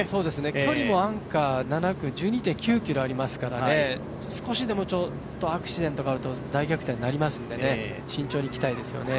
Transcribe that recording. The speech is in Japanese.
距離もアンカーは１２．７ｋｍありますから少しでもアクシデントがあると大逆転になりますので、慎重にいきたいですね。